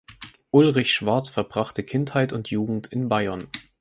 Ulrich Schwarz verbrachte Kindheit und Jugend in Bayern.